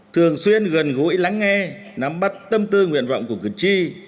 thường xuyên gần gũi lắng nghe nắm bắt tâm tư nguyện vọng của cử tri